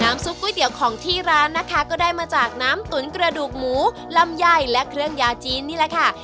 ซุปก๋วยเตี๋ยวของที่ร้านนะคะก็ได้มาจากน้ำตุ๋นกระดูกหมูลำไยและเครื่องยาจีนนี่แหละค่ะ